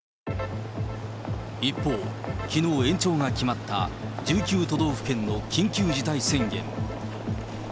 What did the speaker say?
一方、きのう延長が決まった、１９都道府県の緊急事態宣言。